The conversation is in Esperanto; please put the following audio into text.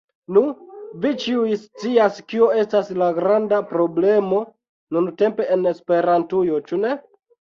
Nu, vi ĉiuj scias kio estas la granda problemo nuntempe en Esperantujo, ĉu ne?